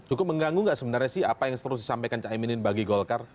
cukup mengganggu nggak sebenarnya sih apa yang terus disampaikan caimin bagi golkar